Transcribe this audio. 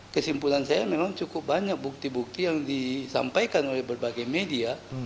kesimpulan saya memang cukup banyak bukti bukti yang disampaikan oleh berbagai media